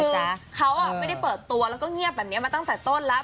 คือเขาไม่ได้เปิดตัวแล้วก็เงียบแบบนี้มาตั้งแต่ต้นแล้ว